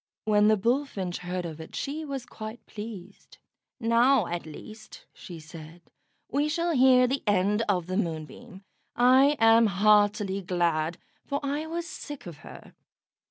When the Bullfinch heard of it she was quite pleased. "Now, at least," she said, "we shall hear the end of the Moonbeam. I am heartily glad, for I was sick of her."